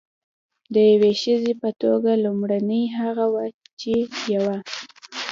د یوې ښځې په توګه لومړنۍ هغه وه چې یوه.